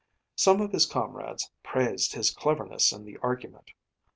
Some of his comrades praised his cleverness in the argument.